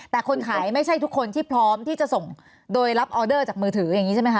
แต่คนขายไม่ใช่ทุกคนที่พร้อมที่จะส่งโดยรับออเดอร์จากมือถืออย่างนี้ใช่ไหมคะ